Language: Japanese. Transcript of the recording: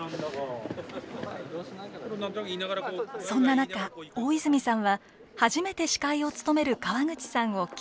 そんな中大泉さんは初めて司会を務める川口さんを気遣います。